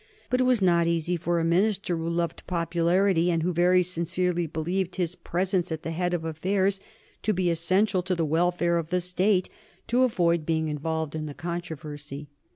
But it was not easy for a minister who loved popularity, and who very sincerely believed his presence at the head of affairs to be essential to the welfare of the State, to avoid being involved in the controversy.